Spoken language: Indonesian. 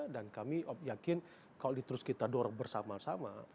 dan kami yakin kalau diterus kita dua orang bersama sama